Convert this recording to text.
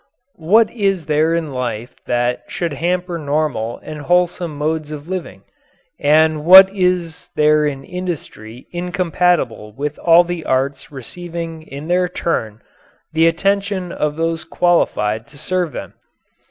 What is there in life that should hamper normal and wholesome modes of living? And what is there in industry incompatible with all the arts receiving in their turn the attention of those qualified to serve in them?